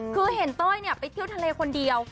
คือเห็นเต้ยไปเที่ยวทะเลคนเดียว